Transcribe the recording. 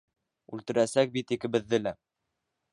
Үлтерәсәк бит икебеҙҙе лә!